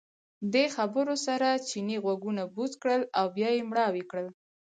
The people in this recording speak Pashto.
دې خبرو سره چیني غوږونه بوڅ کړل او بیا یې مړاوي کړل.